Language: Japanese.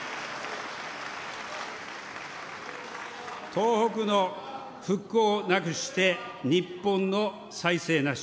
東北の復興なくして日本の再生なし。